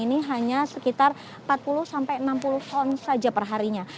ini hanya sekitar empat puluh sampai enam puluh ton saja perharinya